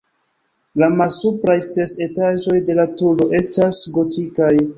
La malsupraj ses etaĝoj de la turo estas gotikaj.